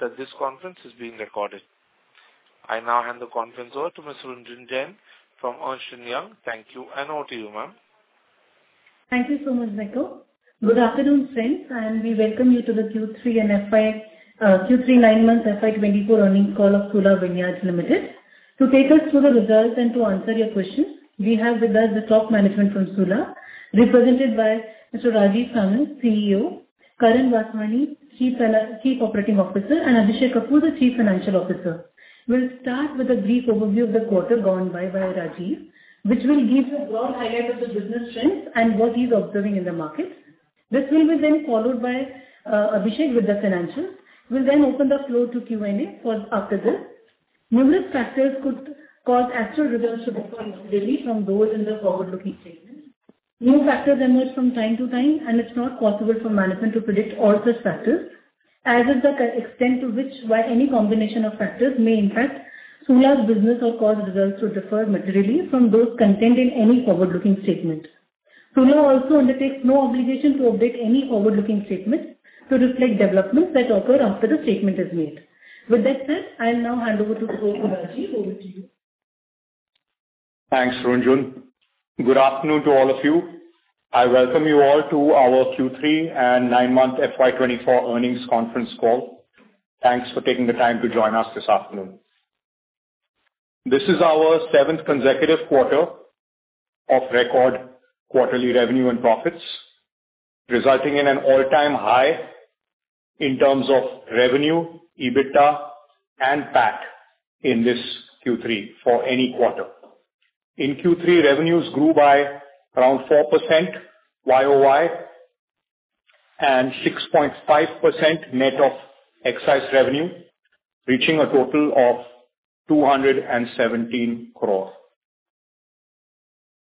That this conference is being recorded. I now hand the conference over to Ms. Runjhun Jain from Ernst & Young. Thank you, and over to you, ma'am. Thank you so much, Michael. Good afternoon, friends, and we welcome you to the Q3 and FY, Q3 nine-month FY 2024 earnings call of Sula Vineyards Limited. To take us through the results and to answer your questions, we have with us the top management from Sula, represented by Mr. Rajeev Samant, CEO; Karan Vasani, Chief Operating Officer; and Abhishek Kapoor, the Chief Financial Officer. We'll start with a brief overview of the quarter gone by, by Rajeev, which will give you a broad highlight of the business trends and what he's observing in the market. This will be followed by Abhishek with the financials. We'll then open the floor to Q&A for after this. Numerous factors could cause actual results to differ materially from those in the forward-looking statement. New factors emerge from time to time, and it's not possible for management to predict all such factors, as is the case, to the extent to which any combination of factors may impact Sula's business or cause results to differ materially from those contained in any forward-looking statement. Sula also undertakes no obligation to update any forward-looking statements to reflect developments that occur after the statement is made. With that said, I will now hand over to you, Rajeev. Over to you. Thanks, Runjhun. Good afternoon to all of you. I welcome you all to our Q3 and nine-month FY 2024 earnings conference call. Thanks for taking the time to join us this afternoon. This is our seventh consecutive quarter of record, quarterly revenue and profits, resulting in an all-time high in terms of revenue, EBITDA, and PAT, in this Q3 for any quarter. In Q3, revenues grew by around 4% YOY, and 6.5% net of excise revenue, reaching a total of 217 crore.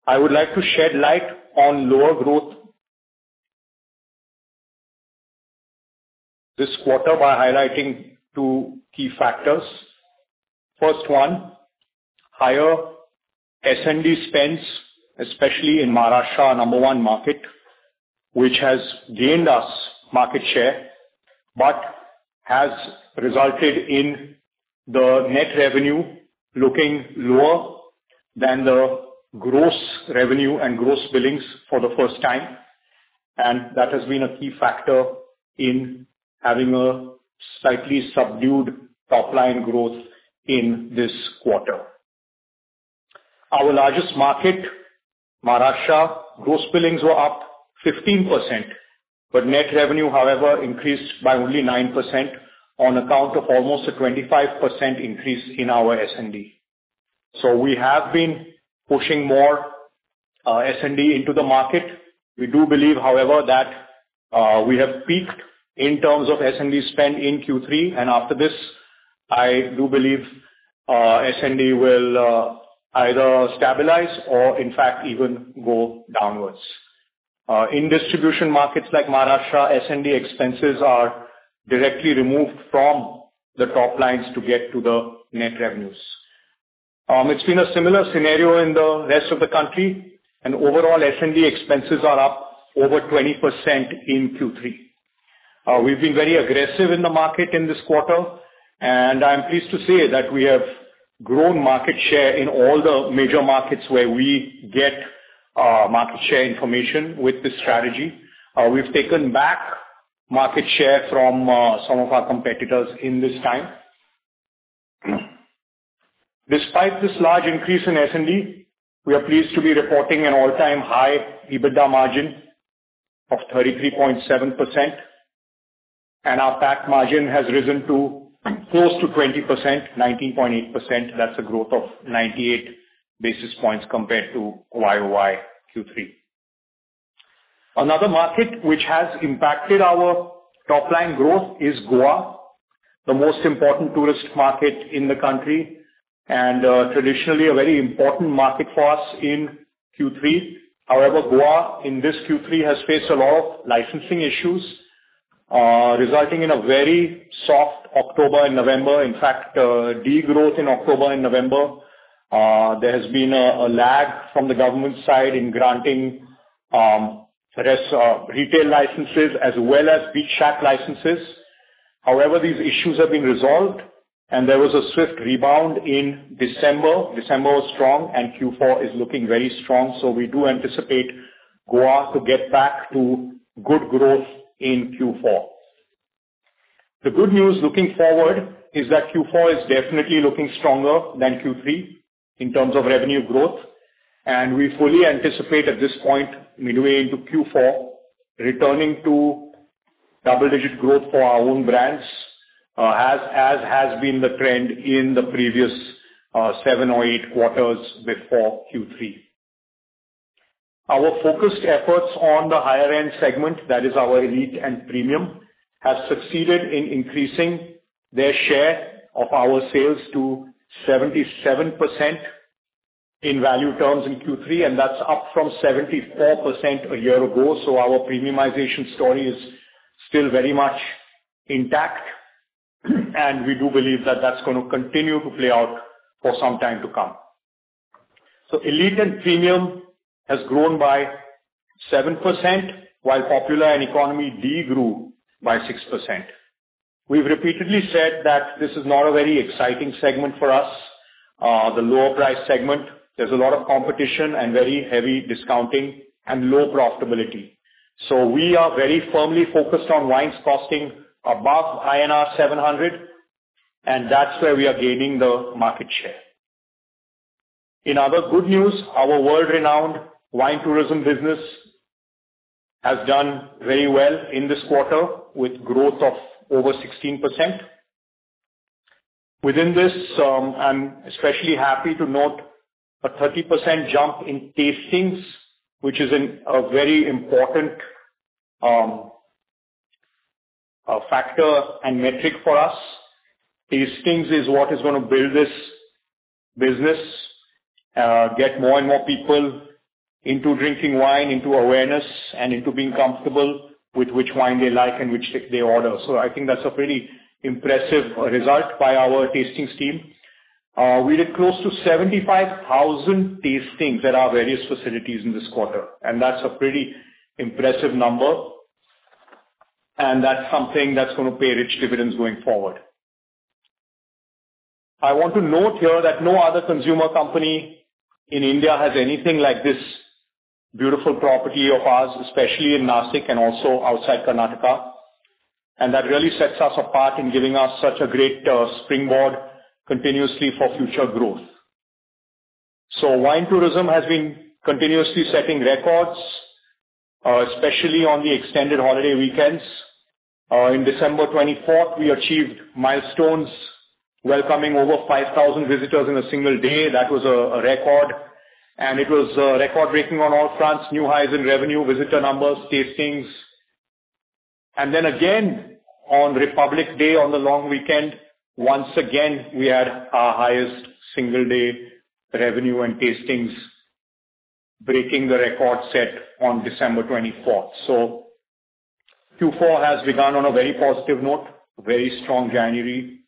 I would like to shed light on lower growth this quarter by highlighting two key factors. First one, higher S&D spends, especially in Maharashtra, our number one market, which has gained us market share but has resulted in the net revenue looking lower than the gross revenue and gross billings for the first time. That has been a key factor in having a slightly subdued top line growth in this quarter. Our largest market, Maharashtra, gross billings were up 15%, but net revenue, however, increased by only 9% on account of almost a 25% increase in our S&D. We have been pushing more S&D into the market. We do believe, however, that we have peaked in terms of S&D spend in Q3, and after this, I do believe S&D will either stabilize or, in fact, even go downwards. In distribution markets like Maharashtra, S&D expenses are directly removed from the top lines to get to the net revenues. It's been a similar scenario in the rest of the country, and overall S&D expenses are up over 20% in Q3. We've been very aggressive in the market in this quarter, and I'm pleased to say that we have grown market share in all the major markets where we get market share information with this strategy. We've taken back market share from some of our competitors in this time. Despite this large increase in S&D, we are pleased to be reporting an all-time high EBITDA margin of 33.7%, and our PAT margin has risen to close to 20%, 19.8%. That's a growth of 98 basis points compared to YOY Q3. Another market which has impacted our top line growth is Goa, the most important tourist market in the country and traditionally a very important market for us in Q3. However, Goa, in this Q3, has faced a lot of licensing issues, resulting in a very soft October and November. In fact, degrowth in October and November. There has been a lag from the government side in granting retail licenses as well as beach shack licenses. However, these issues have been resolved, and there was a swift rebound in December. December was strong, and Q4 is looking very strong, so we do anticipate Goa to get back to good growth in Q4. The good news looking forward is that Q4 is definitely looking stronger than Q3 in terms of revenue growth, and we fully anticipate at this point, midway into Q4, returning to double-digit growth for our own brands, as has been the trend in the previous seven or eight quarters before Q3. Our focused efforts on the higher end segment, that is our elite and premium, has succeeded in increasing their share of our sales to 77% in value terms in Q3, and that's up from 74% a year ago. So our premiumization story is still very much intact, and we do believe that that's going to continue to play out for some time to come.... So elite and premium has grown by 7%, while popular and economy de-grew by 6%. We've repeatedly said that this is not a very exciting segment for us, the lower price segment. There's a lot of competition and very heavy discounting and low profitability. So we are very firmly focused on wines costing above INR 700, and that's where we are gaining the market share. In other good news, our world-renowned wine tourism business has done very well in this quarter, with growth of over 16%. Within this, I'm especially happy to note a 30% jump in tastings, which is a very important factor and metric for us. Tastings is what is gonna build this business, get more and more people into drinking wine, into awareness, and into being comfortable with which wine they like and which they order. So I think that's a pretty impressive result by our tastings team. We did close to 75,000 tastings at our various facilities in this quarter, and that's a pretty impressive number, and that's something that's gonna pay rich dividends going forward. I want to note here that no other consumer company in India has anything like this beautiful property of ours, especially in Nashik and also outside Karnataka, and that really sets us apart in giving us such a great springboard continuously for future growth. So wine tourism has been continuously setting records, especially on the extended holiday weekends. In December 24, we achieved milestones, welcoming over 5,000 visitors in a single day. That was a record, and it was record-breaking on all fronts, new highs in revenue, visitor numbers, tastings. And then again, on Republic Day, on the long weekend, once again, we had our highest single-day revenue and tastings, breaking the record set on December 24. So Q4 has begun on a very positive note, very strong January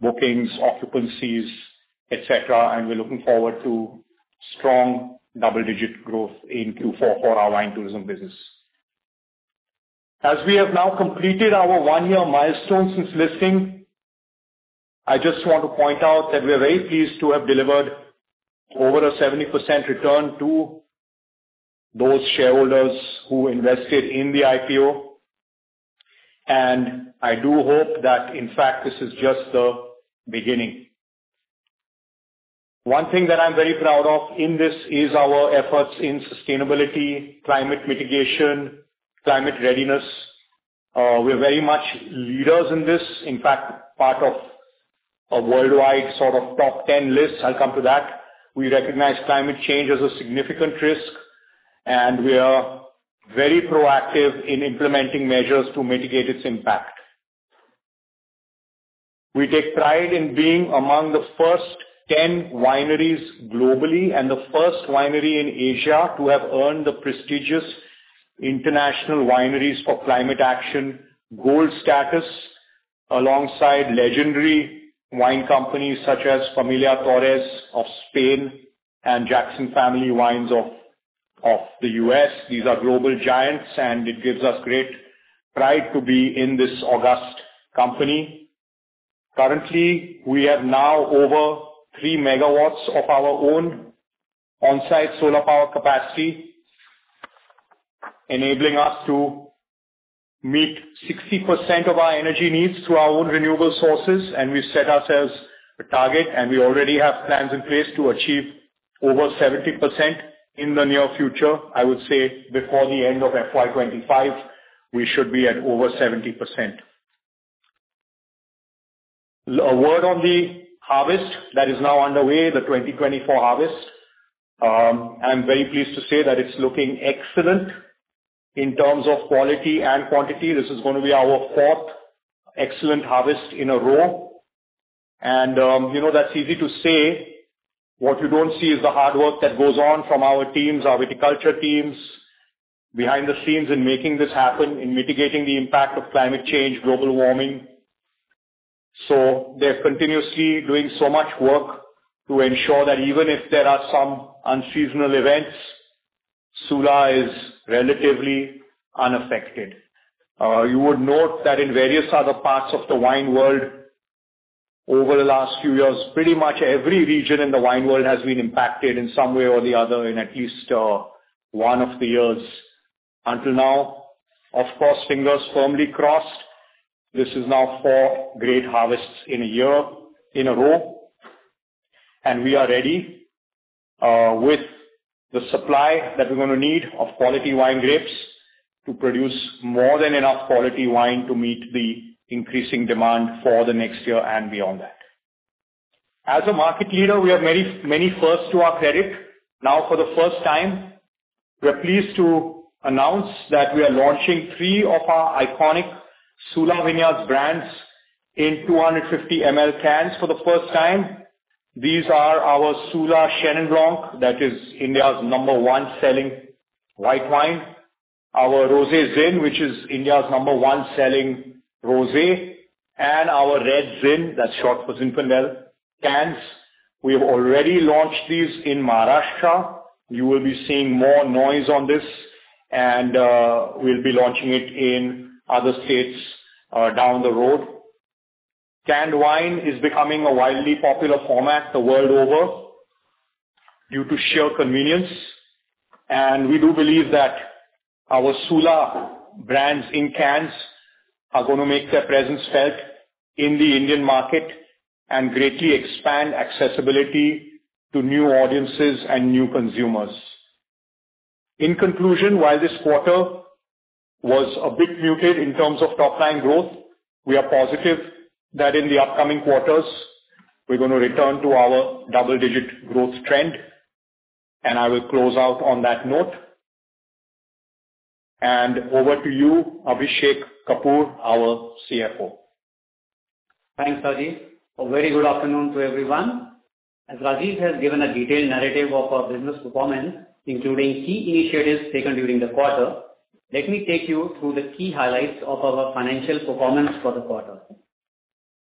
bookings, occupancies, et cetera, and we're looking forward to strong double-digit growth in Q4 for our wine tourism business. As we have now completed our one year milestone since listing, I just want to point out that we are very pleased to have delivered over a 70% return to those shareholders who invested in the IPO. And I do hope that, in fact, this is just the beginning. One thing that I'm very proud of in this is our efforts in sustainability, climate mitigation, climate readiness. We're very much leaders in this, in fact, part of a worldwide sort of top 10 list. I'll come to that. We recognize climate change as a significant risk, and we are very proactive in implementing measures to mitigate its impact. We take pride in being among the first 10 wineries globally and the first winery in Asia to have earned the prestigious International Wineries for Climate Action Gold status, alongside legendary wine companies such as Familia Torres of Spain and Jackson Family Wines of, of the U.S. These are global giants, and it gives us great pride to be in this august company. Currently, we have now over 3 MW of our own on-site solar power capacity, enabling us to meet 60% of our energy needs through our own renewable sources, and we've set ourselves a target, and we already have plans in place to achieve over 70% in the near future. I would say before the end of FY 2025, we should be at over 70%. A word on the harvest that is now underway, the 2024 harvest. I'm very pleased to say that it's looking excellent in terms of quality and quantity. This is going to be our fourth excellent harvest in a row, and, you know, that's easy to say. What you don't see is the hard work that goes on from our teams, our viticulture teams, behind the scenes in making this happen, in mitigating the impact of climate change, global warming. So they're continuously doing so much work to ensure that even if there are some unseasonal events, Sula is relatively unaffected. You would note that in various other parts of the wine world over the last few years, pretty much every region in the wine world has been impacted in some way or the other in at least, one of the years until now. Of course, fingers firmly crossed. This is now four great harvests in a year in a row, and we are ready with the supply that we're gonna need of quality wine grapes to produce more than enough quality wine to meet the increasing demand for the next year and beyond that. As a market leader, we have many, many firsts to our credit. Now, for the first time, we're pleased to announce that we are launching three of our iconic Sula Vineyards brands in 250 ml cans for the first time. These are our Sula Chenin Blanc, that is India's number one selling white wine.... Our Rosé Zin, which is India's number one selling rosé, and our Red Zin, that's short for Zinfandel, cans. We have already launched these in Maharashtra. You will be seeing more noise on this, and we'll be launching it in other states down the road. Canned wine is becoming a widely popular format the world over due to sheer convenience, and we do believe that our Sula brands in cans are gonna make their presence felt in the Indian market and greatly expand accessibility to new audiences and new consumers. In conclusion, while this quarter was a bit muted in terms of top-line growth, we are positive that in the upcoming quarters, we're gonna return to our double-digit growth trend. I will close out on that note. Over to you, Abhishek Kapoor, our CFO. Thanks, Rajeev. A very good afternoon to everyone. As Rajeev has given a detailed narrative of our business performance, including key initiatives taken during the quarter, let me take you through the key highlights of our financial performance for the quarter.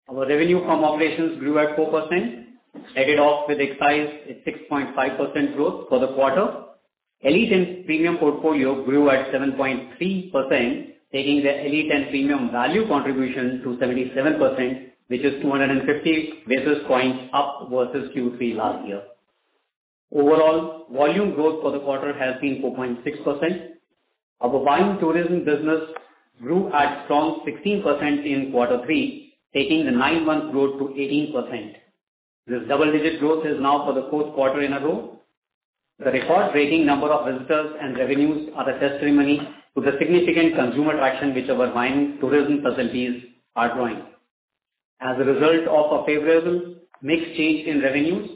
Our revenue from operations grew at 4%, net of excise at 6.5% growth for the quarter. Elite and premium portfolio grew at 7.3%, taking the elite and premium value contribution to 77%, which is 250 basis points up versus Q3 last year. Overall, volume growth for the quarter has been 4.6%. Our wine tourism business grew at strong 16% in quarter three, taking the nine-month growth to 18%. This double-digit growth is now for the fourth quarter in a row. The record-breaking number of visitors and revenues are a testimony to the significant consumer traction which our wine tourism facilities are growing. As a result of a favorable mix change in revenues,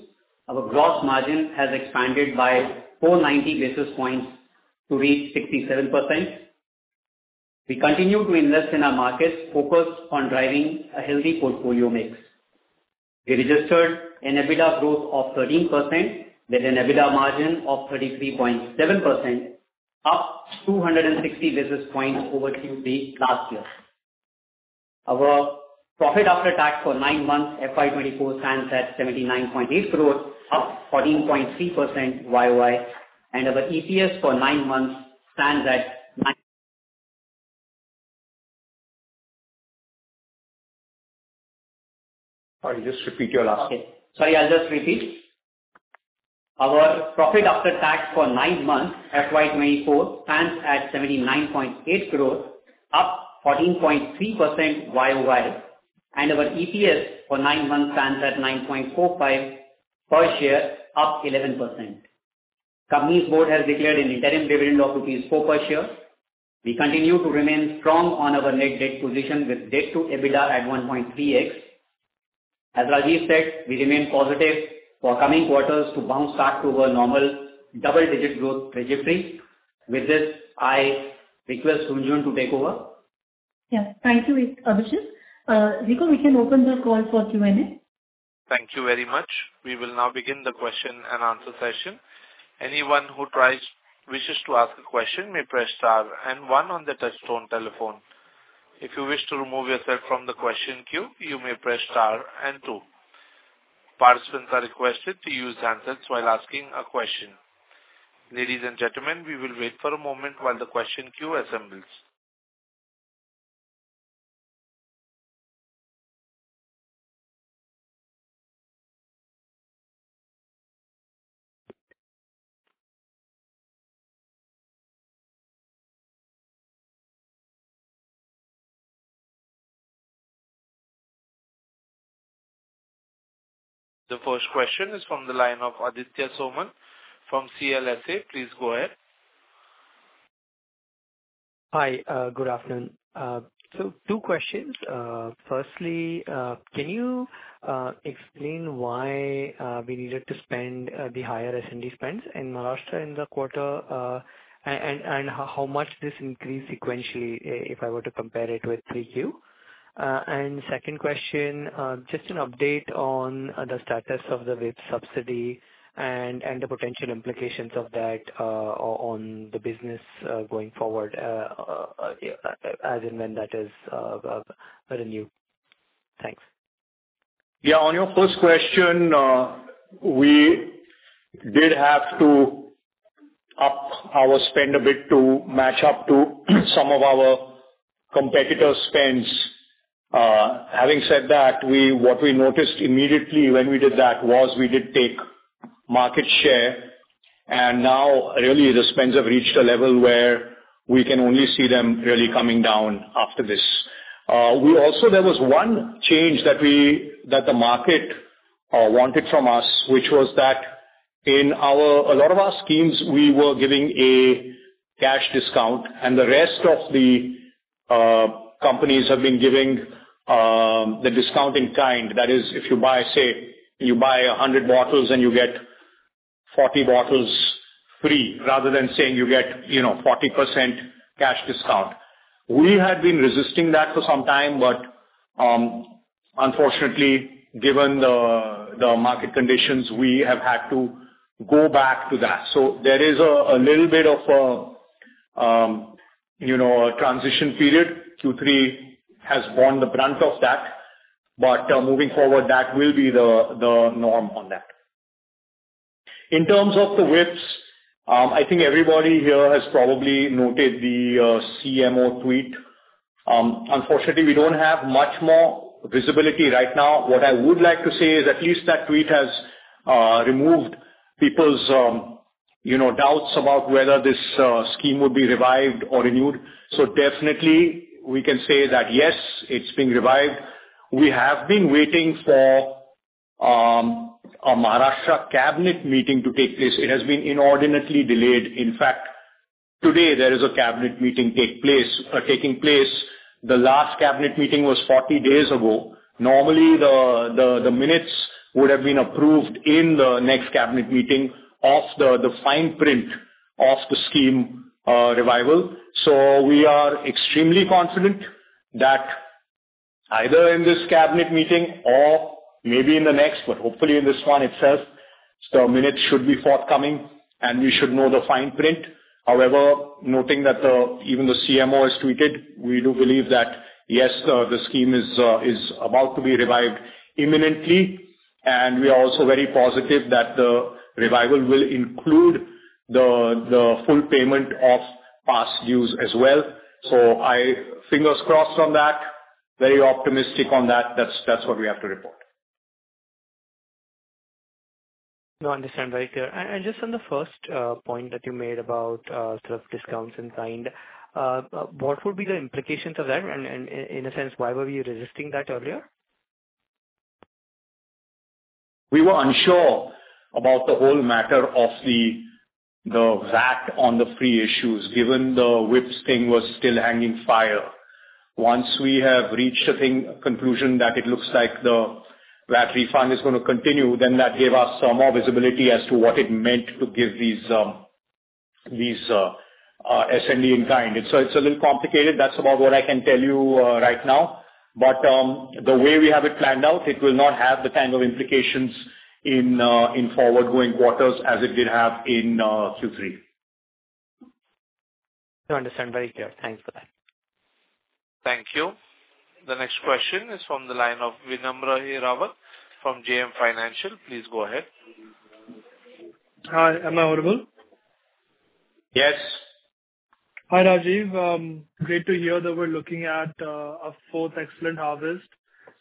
our gross margin has expanded by 490 basis points to reach 67%. We continue to invest in our markets, focused on driving a healthy portfolio mix. We registered an EBITDA growth of 13%, with an EBITDA margin of 33.7%, up 260 basis points over Q3 last year. Our profit after tax for nine months, FY 2024, stands at 79.8 growth, up 14.3% YOY, and our EPS for nine months stands at 9- Sorry, just repeat your last- Okay. Sorry, I'll just repeat. Our profit after tax for nine months, FY 2024, stands at 79.8 growth, up 14.3% YOY, and our EPS for nine months stands at 9.45 per share, up 11%. Company's board has declared an interim dividend of rupees 4 per share. We continue to remain strong on our net debt position, with debt to EBITDA at 1.3x. As Rajeev said, we remain positive for coming quarters to bounce back to our normal double-digit growth trajectory. With this, I request Runjhun to take over. Yeah. Thank you, Abhishek. Rico, we can open the call for Q&A. Thank you very much. We will now begin the question and answer session. Anyone who wishes to ask a question may press star and one on the touch-tone telephone. If you wish to remove yourself from the question queue, you may press star and two. Participants are requested to use handsets while asking a question. Ladies and gentlemen, we will wait for a moment while the question queue assembles. The first question is from the line of Aditya Soman from CLSA. Please go ahead. Hi, good afternoon. So two questions. Firstly, can you explain why we needed to spend the higher S&D spends in Maharashtra in the quarter, and how much this increased sequentially, if I were to compare it with Q3? And second question, just an update on the status of the WIPS subsidy and the potential implications of that on the business going forward, as and when that is renewed. Thanks. Yeah, on your first question, we did have to up our spend a bit to match up to some of our competitors' spends. Having said that, what we noticed immediately when we did that was we did take market share, and now really the spends have reached a level where we can only see them really coming down after this. We also... There was one change that we, that the market wanted from us, which was that in our, a lot of our schemes, we were giving a cash discount, and the rest of the companies have been giving the discount in kind. That is, if you buy, say, you buy 100 bottles and you get 40 bottles free, rather than saying you get, you know, 40% cash discount.... We had been resisting that for some time, but, unfortunately, given the market conditions, we have had to go back to that. So there is a little bit of a, you know, a transition period. Q3 has borne the brunt of that, but, moving forward, that will be the norm on that. In terms of the WIPS, I think everybody here has probably noted the CMO tweet. Unfortunately, we don't have much more visibility right now. What I would like to say is at least that tweet has removed people's, you know, doubts about whether this scheme would be revived or renewed. So definitely we can say that, yes, it's been revived. We have been waiting for a Maharashtra cabinet meeting to take place. It has been inordinately delayed. In fact, today there is a cabinet meeting take place, taking place. The last cabinet meeting was 40 days ago. Normally, the minutes would have been approved in the next cabinet meeting of the fine print of the scheme, revival. So we are extremely confident that either in this cabinet meeting or maybe in the next, but hopefully in this one itself, the minutes should be forthcoming, and we should know the fine print. However, noting that even the CMO has tweeted, we do believe that, yes, the scheme is about to be revived imminently, and we are also very positive that the revival will include the full payment of past dues as well. So I, fingers crossed on that. Very optimistic on that. That's what we have to report. No, I understand very clear. And just on the first point that you made about sort of discounts in kind, what would be the implications of that? And in a sense, why were you resisting that earlier? We were unsure about the whole matter of the VAT on the free issues, given the WIPS thing was still hanging fire. Once we have reached, I think, a conclusion that it looks like the VAT refund is going to continue, then that gave us some more visibility as to what it meant to give these SME in kind. It's so it's a little complicated. That's about what I can tell you right now. But the way we have it planned out, it will not have the kind of implications in forward-going quarters as it did have in Q3. No, I understand very clear. Thanks for that. Thank you. The next question is from the line of Vinamra Rawal from JM Financial. Please go ahead. Hi, am I audible? Yes. Hi, Rajeev. Great to hear that we're looking at a fourth excellent harvest.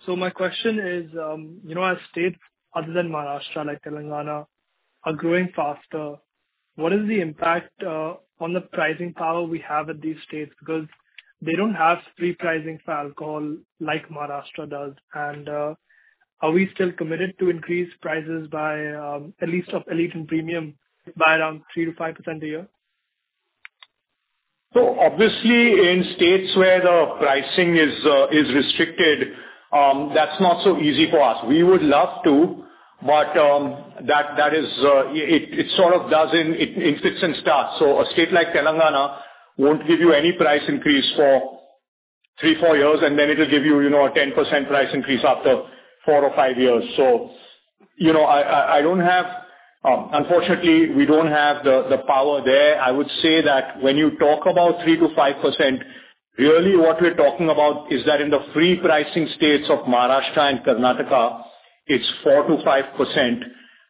So my question is, you know, as states other than Maharashtra, like Telangana, are growing faster, what is the impact on the pricing power we have in these states? Because they don't have free pricing for alcohol like Maharashtra does. And, are we still committed to increase prices by at least of elite and premium by around 3%-5% a year? So obviously, in states where the pricing is restricted, that's not so easy for us. We would love to, but that is it sort of doesn't... It fits and starts. So a state like Telangana won't give you any price increase for three to four years, and then it'll give you, you know, a 10% price increase after four or five years. So, you know, I don't have, unfortunately, we don't have the power there. I would say that when you talk about 3%-5%, really what we're talking about is that in the free pricing states of Maharashtra and Karnataka, it's 4%-5%.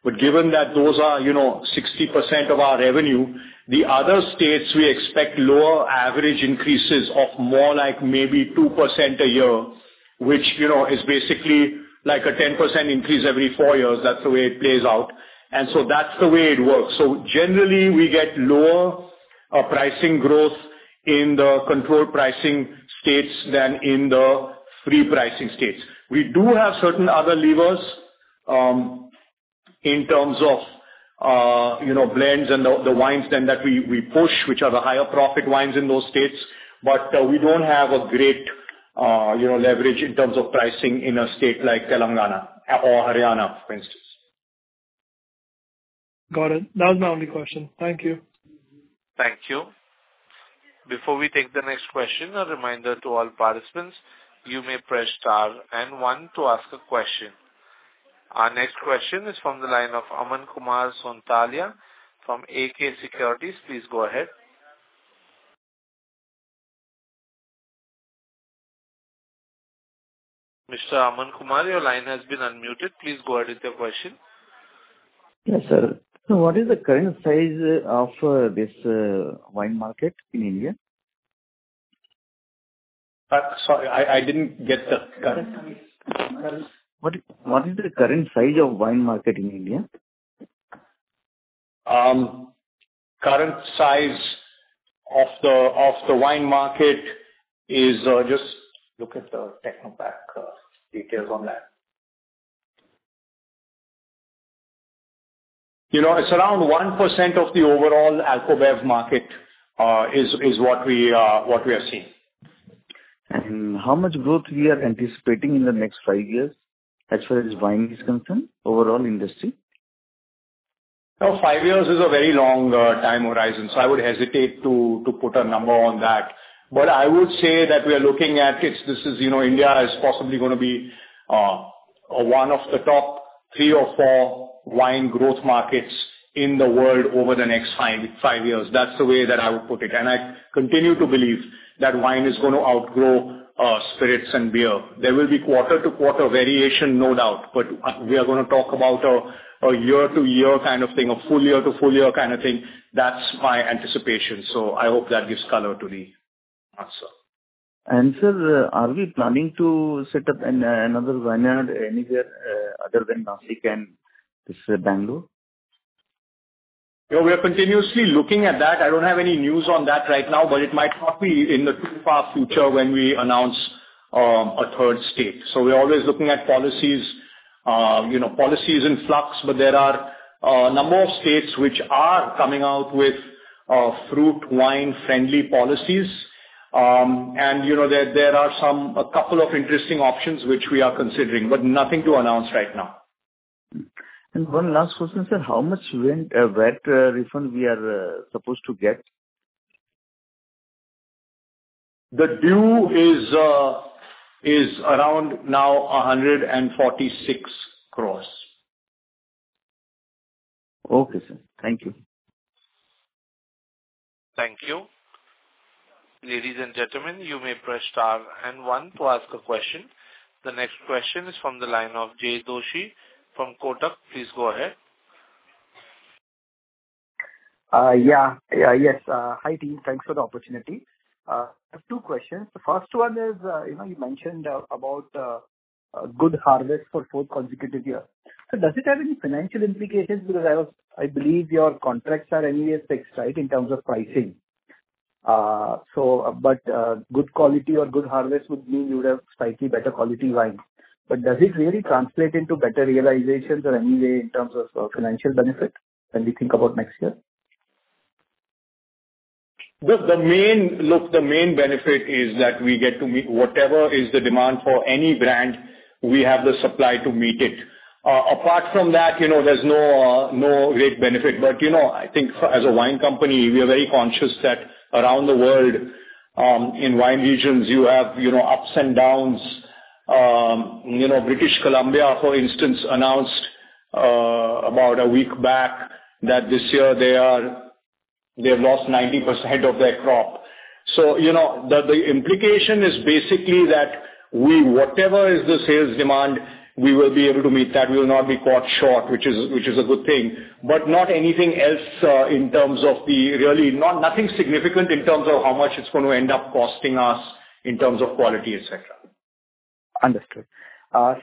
But given that those are, you know, 60% of our revenue, the other states, we expect lower average increases of more like maybe 2% a year, which, you know, is basically like a 10% increase every four years. That's the way it plays out, and so that's the way it works. So generally, we get lower pricing growth in the controlled pricing states than in the free pricing states. We do have certain other levers in terms of, you know, blends and the wines then that we push, which are the higher profit wines in those states. But we don't have a great, you know, leverage in terms of pricing in a state like Telangana or Haryana, for instance. Got it. That was my only question. Thank you. Thank you. Before we take the next question, a reminder to all participants, you may press star and one to ask a question. Our next question is from the line of Aman Sonthalia from AK Securities. Please go ahead. Mr. Aman Kumar, your line has been unmuted. Please go ahead with your question. Yes, sir. So what is the current size of this wine market in India? Sorry, I didn't get that. What is the current size of wine market in India? Current size of the wine market is just look at the Technopak details on that. You know, it's around 1% of the overall alcobev market, is what we are seeing. How much growth we are anticipating in the next five years as far as wine is concerned, overall industry?... No, five years is a very long time horizon, so I would hesitate to, to put a number on that. But I would say that we are looking at it. This is, you know, India is possibly going to be one of the top three or four wine growth markets in the world over the next five, five years. That's the way that I would put it. And I continue to believe that wine is going to outgrow spirits and beer. There will be quarter to quarter variation, no doubt, but we are going to talk about a, a year to year kind of thing, a full year to full year kind of thing. That's my anticipation. So I hope that gives color to the answer. Sir, are we planning to set up another vineyard anywhere other than Nashik and just Bengaluru? Yeah, we are continuously looking at that. I don't have any news on that right now, but it might not be in the too far future when we announce a third state. So we're always looking at policies. You know, policy is in flux, but there are a number of states which are coming out with fruit wine-friendly policies. And, you know, there are a couple of interesting options which we are considering, but nothing to announce right now. One last question, sir: How much rent, VAT refund we are supposed to get? The debt is around now 146 crore. Okay, sir. Thank you. Thank you. Ladies and gentlemen, you may press star and one to ask a question. The next question is from the line of Jay Doshi from Kotak. Please go ahead. Yeah. Yeah, yes. Hi, team. Thanks for the opportunity. I have two questions. The first one is, you know, you mentioned about a good harvest for fourth consecutive year. So does it have any financial implications? Because I was-- I believe your contracts are anyway fixed, right, in terms of pricing. So but, good quality or good harvest would mean you would have slightly better quality wine. But does it really translate into better realizations or anyway in terms of financial benefit when we think about next year? Look, the main benefit is that we get to meet whatever is the demand for any brand, we have the supply to meet it. Apart from that, you know, there's no great benefit. But, you know, I think as a wine company, we are very conscious that around the world, in wine regions, you have, you know, ups and downs. You know, British Columbia, for instance, announced about a week back that this year they have lost 90% of their crop. So, you know, the implication is basically that we, whatever is the sales demand, we will be able to meet that. We will not be caught short, which is a good thing, but not anything else in terms of the really... Nothing significant in terms of how much it's going to end up costing us in terms of quality, et cetera. Understood.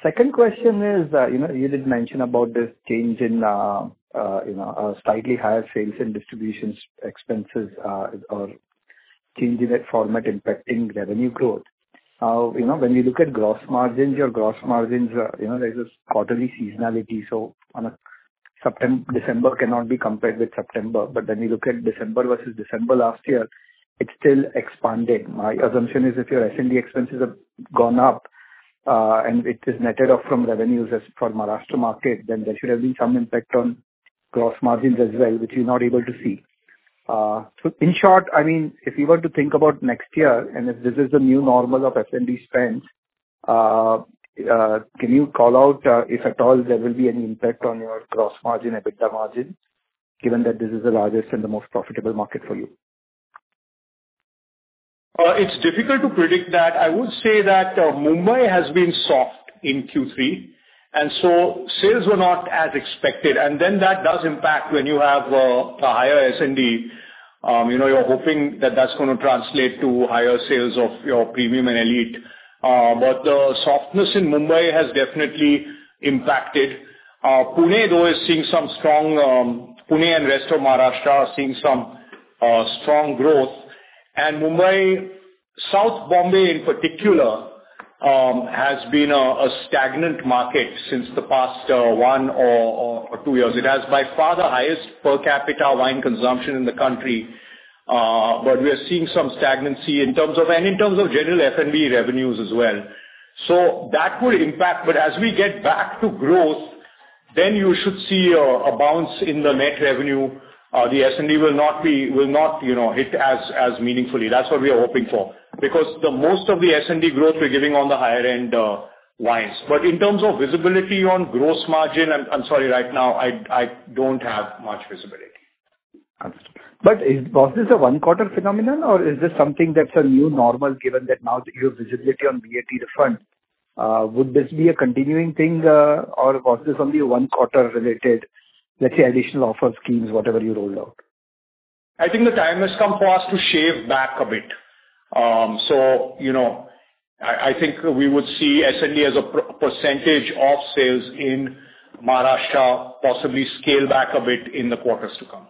Second question is, you know, you did mention about this change in, you know, a slightly higher sales and distributions expenses, or change in that format impacting revenue growth. You know, when you look at gross margins, your gross margins, you know, there's a quarterly seasonality, so on a September, December cannot be compared with September. But when you look at December versus December last year, it's still expanding. My assumption is if your S&D expenses have gone up, and it is netted off from revenues as for Maharashtra market, then there should have been some impact on gross margins as well, which you're not able to see. So in short, I mean, if you were to think about next year, and if this is the new normal of S&D spends, can you call out, if at all, there will be any impact on your gross margin, EBITDA margin, given that this is the largest and the most profitable market for you? It's difficult to predict that. I would say that, Mumbai has been soft in Q3, and so sales were not as expected. And then that does impact when you have, a higher S&D. You know, you're hoping that that's going to translate to higher sales of your premium and elite. But the softness in Mumbai has definitely impacted. Pune, though, is seeing some strong, Pune and rest of Maharashtra are seeing some, strong growth. And Mumbai, South Bombay in particular, has been a, a stagnant market since the past, one or, or, two years. It has by far the highest per capita wine consumption in the country, but we are seeing some stagnancy in terms of, and in terms of general F&B revenues as well. So that would impact. But as we get back to growth, then you should see a bounce in the net revenue. The S&D will not be, will not, you know, hit as meaningfully. That's what we are hoping for. Because the most of the S&D growth we're getting on the higher end wines. But in terms of visibility on gross margin, I'm sorry, right now, I don't have much visibility. Understood. But is, was this a one-quarter phenomenon, or is this something that's a new normal, given that now that you have visibility on VAT refund, would this be a continuing thing, or was this only a one-quarter related, let's say, additional offer schemes, whatever you rolled out? I think the time has come for us to scale back a bit. So, you know, I think we would see S&D as a percentage of sales in Maharashtra, possibly scale back a bit in the quarters to come.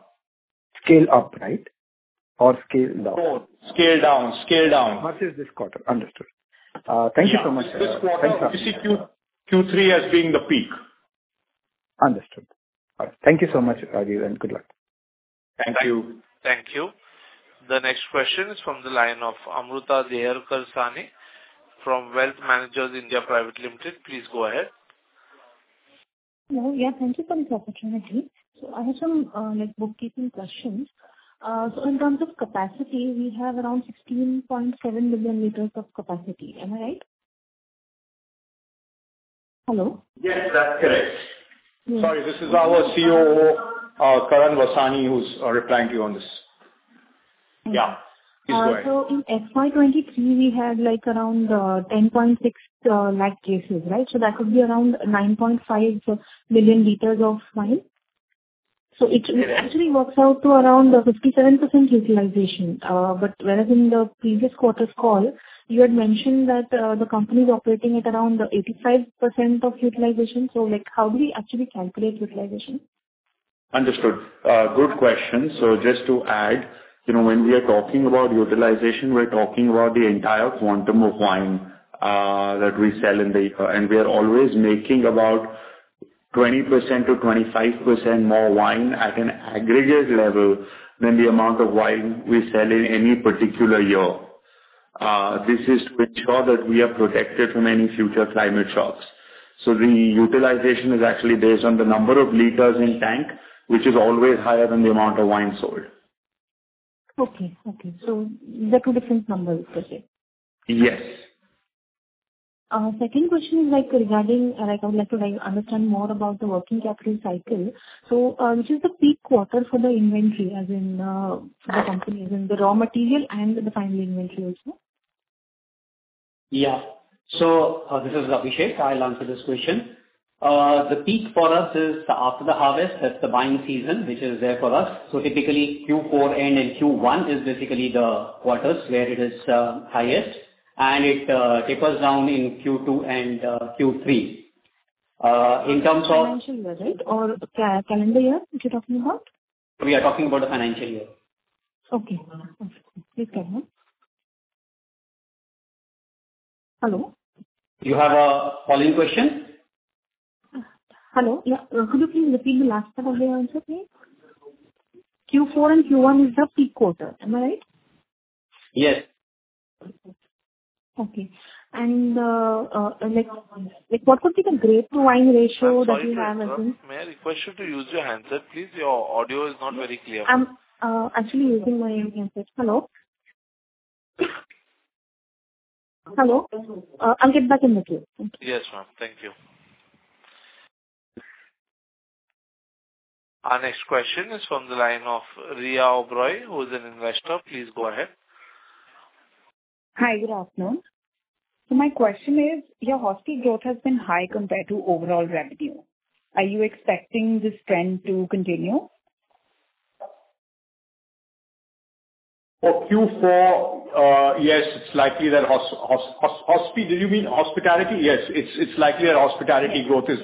Scale up, right? Or scale down. Scale down. Scale down. Versus this quarter. Understood. Thank you so much. Yeah. Thank you. This quarter, we see Q3 as being the peak. Understood. All right. Thank you so much, Rajeev, and good luck.... Thank you. Thank you. The next question is from the line of Amruta Deherkar Sane from Wealth Managers (India) Private Limited. Please go ahead. Hello. Yeah, thank you for this opportunity. So I have some, like, bookkeeping questions. So in terms of capacity, we have around 16.7 billion liters of capacity. Am I right? Hello? Yes, that's correct. Yeah. Sorry, this is our COO, Karan Vasani, who's replying to you on this. Okay. Yeah. Please go ahead. So in FY 2023, we had, like, around 10.6 lakh cases, right? So that could be around 9.5 billion liters of wine. So it actually works out to around 57% utilization. But whereas in the previous quarter's call, you had mentioned that the company is operating at around 85% of utilization. So, like, how do we actually calculate utilization? Understood. Good question. Just to add, you know, when we are talking about utilization, we're talking about the entire quantum of wine that we sell in the... We are always making about 20%-25% more wine at an aggregate level than the amount of wine we sell in any particular year. This is to ensure that we are protected from any future climate shocks. So the utilization is actually based on the number of liters in tank, which is always higher than the amount of wine sold. Okay. Okay. So they're two different numbers, okay. Yes. Second question is, like, regarding, like, I would like to understand more about the working capital cycle. So, which is the peak quarter for the inventory, as in, for the company, as in the raw material and the final inventory also? Yeah. So, this is Abhishek. I'll answer this question. The peak for us is after the harvest, that's the buying season, which is there for us. So typically, Q4 and in Q1 is basically the quarters where it is highest, and it tapers down in Q2 and Q3. In terms of- Financial year, right? Or calendar year, which you're talking about? We are talking about the financial year. Okay. Okay. Please go ahead. Hello? You have a following question? Hello. Yeah, could you please repeat the last part of the answer, please? Q4 and Q1 is the peak quarter. Am I right? Yes. Okay. And, like, what would be the grape to wine ratio that you have again? May I request you to use your handset, please? Your audio is not very clear. I'm actually using my handset. Hello? Hello? I'll get back in the queue. Thank you. Yes, ma'am. Thank you .Our next question is from the line of Riya Oberoi, who's an investor. Please go ahead. Hi. Good afternoon. So my question is, your hospitality growth has been high compared to overall revenue. Are you expecting this trend to continue? For Q4, yes, it's likely that hospitality, do you mean hospitality? Yes, it's likely that hospitality growth is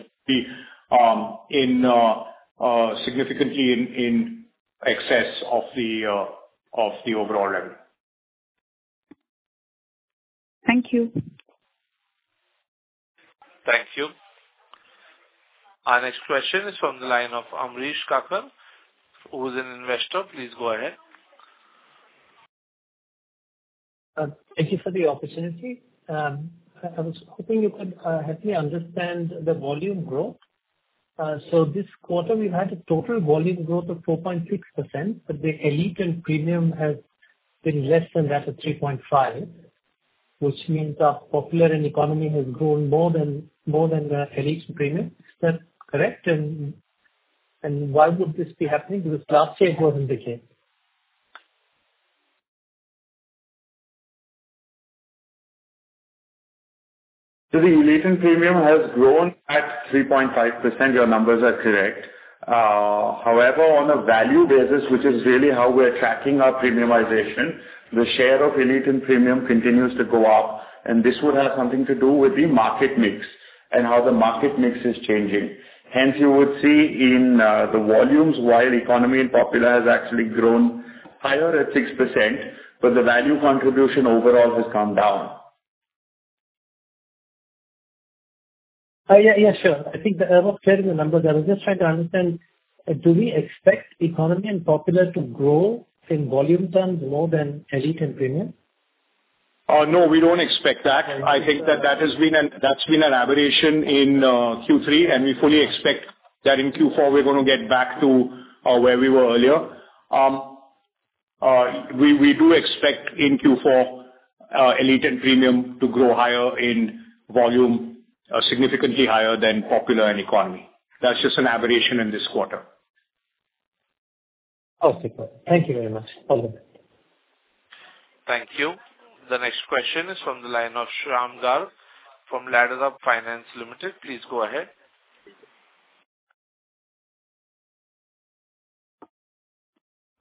significantly in excess of the overall level. Thank you. Thank you. Our next question is from the line of Amrish Kacker, who is an investor. Please go ahead. Thank you for the opportunity. I was hoping you could help me understand the volume growth. So this quarter, we've had a total volume growth of 4.6%, but the elite and premium has been less than that, at 3.5, which means our popular and economy has grown more than, more than the elite and premium. Is that correct? And, and why would this be happening? Because last year it wasn't the case. So the elite and premium has grown at 3.5%. Your numbers are correct. However, on a value basis, which is really how we're tracking our premiumization, the share of elite and premium continues to go up, and this would have something to do with the market mix and how the market mix is changing. Hence, you would see in, the volumes, while economy and popular has actually grown higher at 6%, but the value contribution overall has come down. Yeah, yeah, sure. I think the error is clear in the numbers. I was just trying to understand, do we expect economy and popular to grow in volume terms more than elite and premium? No, we don't expect that. Okay. I think that that has been an, that's been an aberration in Q3, and we fully expect that in Q4 we're going to get back to where we were earlier. We do expect in Q4 elite and premium to grow higher in volume significantly higher than popular and economy. That's just an aberration in this quarter. Okay, cool. Thank you very much. All the best. Thank you. The next question is from the line of Shyam Gaur from Ladderup Finance Limited. Please go ahead.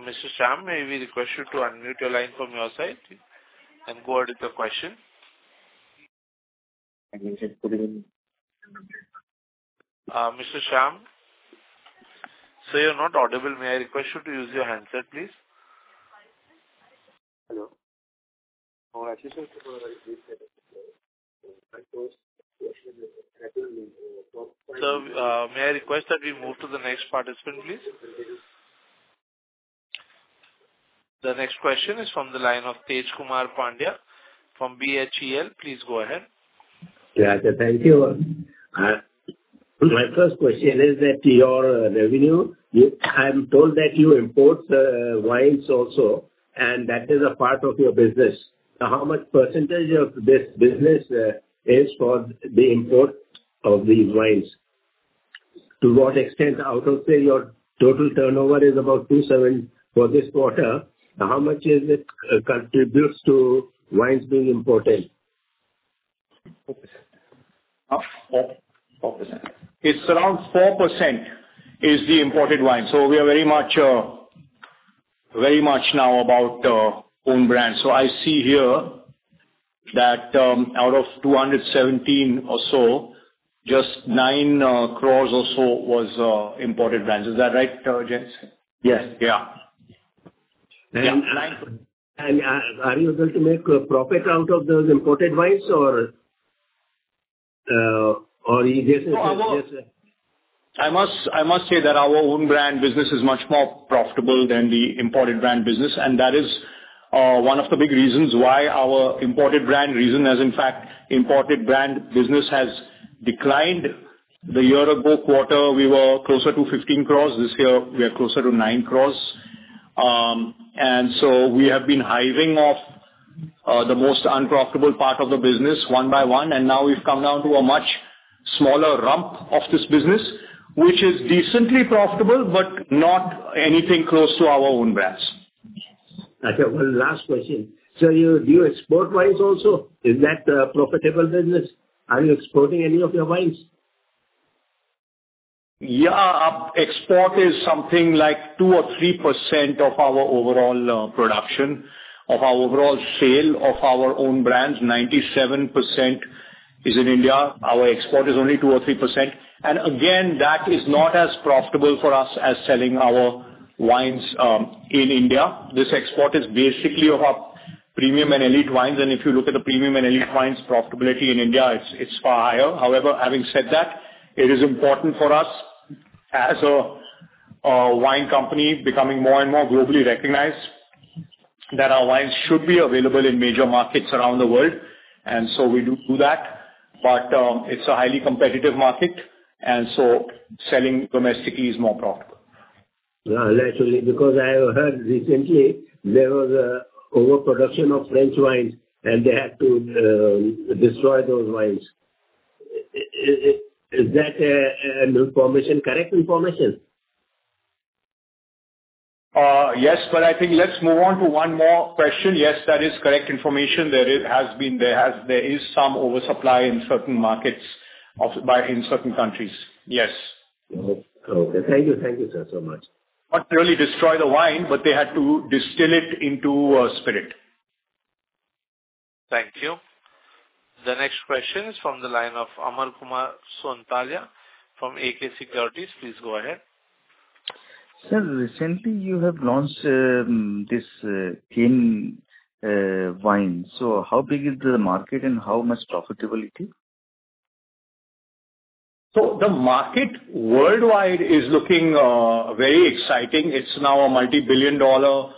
Mr. Shyam, may we request you to unmute your line from your side and go ahead with the question? I'm just putting in. Mr. Shyam, sir, you're not audible. May I request you to use your handset, please? Hello? Oh, actually,... Sir, may I request that we move to the next participant, please? The next question is from the line of Tejkumar Pandya from BHEL. Please go ahead. Yeah. Thank you. My first question is that your revenue, I'm told that you import wines also, and that is a part of your business. Now, how much percentage of this business is for the import of these wines? To what extent, out of, say, your total turnover is about 27 for this quarter, how much is it contributes to wines being imported? Four percent. Oh, 4%. It's around 4% is the imported wine. So we are very much, very much now about own brand. So I see here that, out of 217 crore or so, just 9 crore or so was imported brands. Is that right, James? Yes. Yeah. Are you able to make a profit out of those imported wines or you just- I must, I must say that our own brand business is much more profitable than the imported brand business, and that is one of the big reasons why our imported brand reason has, in fact, imported brand business has declined. The year ago quarter, we were closer to 15 crore. This year, we are closer to 9 crore. And so we have been hiving off the most unprofitable part of the business one by one, and now we've come down to a much smaller rump of this business, which is decently profitable, but not anything close to our own brands. Okay, one last question. So you, do you export wines also? Is that a profitable business? Are you exporting any of your wines? Yeah. Export is something like 2 or 3% of our overall, production, of our overall sale of our own brands. 97% is in India. Our export is only 2 or 3%. And again, that is not as profitable for us as selling our wines, in India. This export is basically of our premium and elite wines, and if you look at the premium and elite wines' profitability in India, it's, it's far higher. However, having said that, it is important for us as a, a wine company becoming more and more globally recognized, that our wines should be available in major markets around the world, and so we do do that. But, it's a highly competitive market, and so selling domestically is more profitable. Yeah, naturally, because I have heard recently there was an overproduction of French wines, and they had to destroy those wines. Is that information correct information? Yes, but I think let's move on to one more question. Yes, that is correct information. There has been... There is some oversupply in certain markets of, by, in certain countries. Yes. Okay. Thank you. Thank you, sir, so much. Not really destroy the wine, but they had to distill it into a spirit. Thank you. The next question is from the line of Aman Kumar Sonthalia from AK Securities. Please go ahead. Sir, recently you have launched this can wine. So how big is the market and how much profitability? So the market worldwide is looking very exciting. It's now a multi-billion-dollar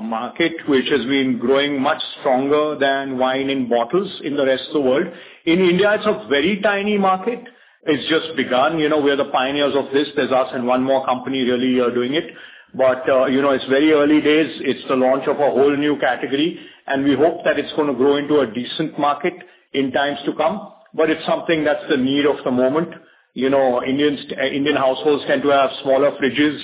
market, which has been growing much stronger than wine in bottles in the rest of the world. In India, it's a very tiny market. It's just begun. You know, we are the pioneers of this. There's us and one more company really doing it. But you know, it's very early days. It's the launch of a whole new category, and we hope that it's going to grow into a decent market in times to come. But it's something that's the need of the moment. You know, Indians, Indian households tend to have smaller fridges.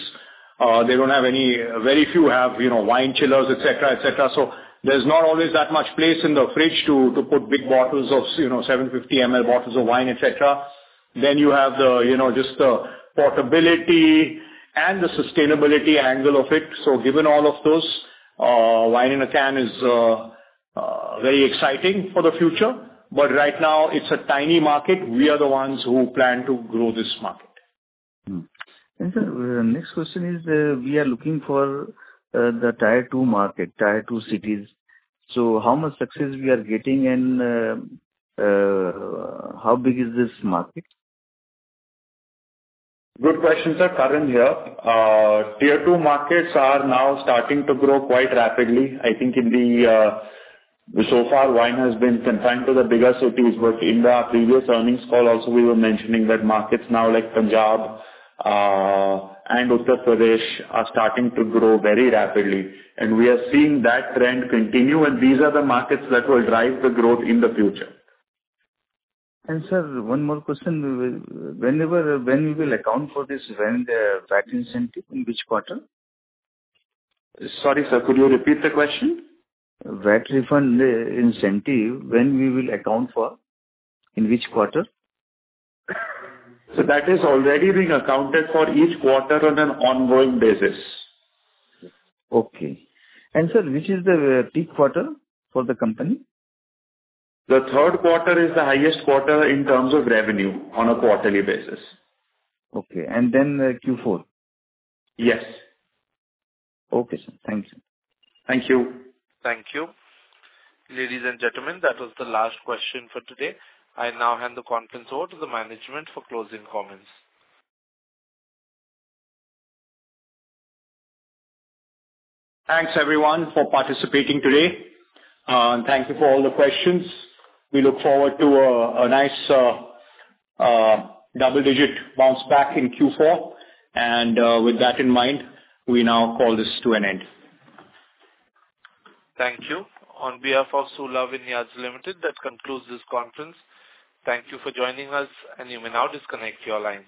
They don't have any... Very few have, you know, wine chillers, et cetera, et cetera. So there's not always that much place in the fridge to put big bottles of, you know, 750 ml bottles of wine, et cetera. Then you have the, you know, just the portability and the sustainability angle of it. So given all of those, wine in a can is very exciting for the future. But right now, it's a tiny market. We are the ones who plan to grow this market. Sir, the next question is, we are looking for the tier-two market, tier-two cities. So how much success we are getting and how big is this market? Good question, sir. Karan here. Tier two markets are now starting to grow quite rapidly. I think in the, so far, wine has been confined to the bigger cities, but in our previous earnings call also, we were mentioning that markets now like Punjab and Uttar Pradesh are starting to grow very rapidly. And we are seeing that trend continue, and these are the markets that will drive the growth in the future. Sir, one more question. When we will account for this wine, the VAT incentive, in which quarter? Sorry, sir, could you repeat the question? VAT refund, incentive, when we will account for, in which quarter? That is already being accounted for each quarter on an ongoing basis. Okay. And sir, which is the peak quarter for the company? The third quarter is the highest quarter in terms of revenue on a quarterly basis. Okay. And then the Q4? Yes. Okay, sir. Thank you. Thank you. Thank you. Ladies and gentlemen, that was the last question for today. I now hand the conference over to the management for closing comments. Thanks, everyone, for participating today, and thank you for all the questions. We look forward to a nice double-digit bounce back in Q4. And, with that in mind, we now call this to an end. Thank you. On behalf of Sula Vineyards Limited, that concludes this conference. Thank you for joining us, and you may now disconnect your lines.